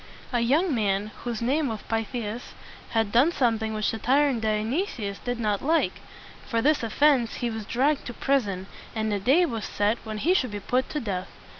A young man whose name was Pyth´i as had done something which the tyrant Dionysius did not like. For this offense he was dragged to prison, and a day was set when he should be put to death.